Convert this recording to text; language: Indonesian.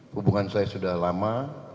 hubungan saya sudah lama